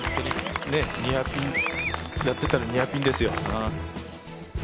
やってたらニアピンですよ。